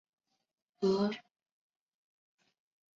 峨眉吊石苣苔为苦苣苔科吊石苣苔属下的一个种。